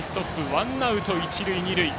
ワンアウト、一塁二塁。